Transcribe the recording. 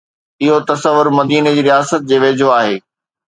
اهو تصور مديني جي رياست جي ويجهو آهي.